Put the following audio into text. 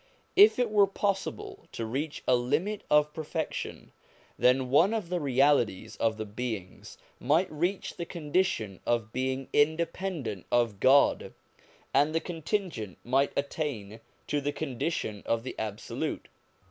If it were possible to reach a limit of perfection, then one of the realities of the beings might reach the condition of being in dependent of God, and the contingent might attain to the condition of the absolute.